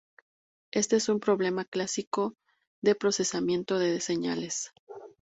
Éste es un problema clásico de procesamiento de señales.